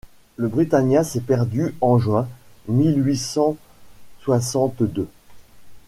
Le Britannia s’est perdu en juin mille huit cent soixante-deux…